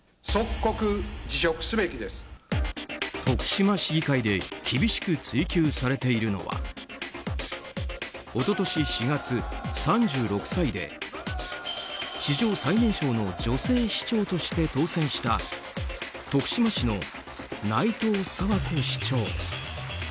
徳島市議会で厳しく追及されているのは一昨年４月、３６歳で史上最年少の女性市長として当選した徳島市の内藤佐和子市長。